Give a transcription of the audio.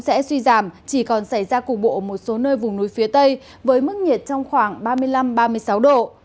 sẽ suy giảm chỉ còn xảy ra cục bộ ở một số nơi vùng núi phía tây với mức nhiệt trong khoảng ba mươi năm ba mươi sáu độ